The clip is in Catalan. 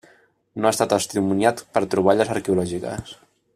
No està testimoniat per troballes arqueològiques.